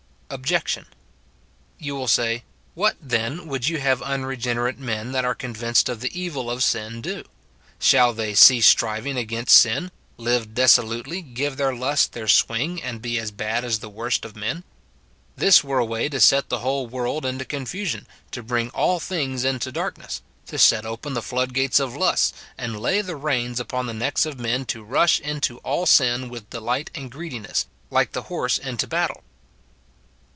Ohj. You will say, " What, then, would you have un regenerate men that are convinced of the evil of sin do ? Shall they cease striving against sin, live dissolutely, give their lusts their swing, and be as bad as the worst of men ? This were a way to set the whole world into confusion, to bring all things into darkness, to set open the flood gates of lust, and lay the reins upon the necks of men to rush into all sin with delight and greediness, like the horse into the battle."